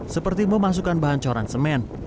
seperti memasukkan bahan coran semen